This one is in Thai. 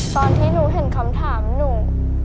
ตอนที่หนูเห็นคำถามหนู